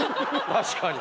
確かに。